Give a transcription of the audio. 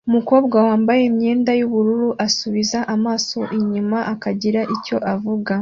Umukobwa wambaye imyenda yumuriro asubiza amaso inyuma akagira icyo avuga